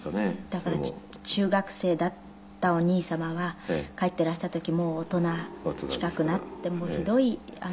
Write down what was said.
だから中学生だったお兄様が帰っていらした時もう大人近くなってひどい。